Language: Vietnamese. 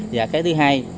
và cái thứ hai